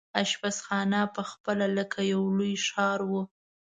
اشپزخانه پخپله لکه یو لوی ښار وو.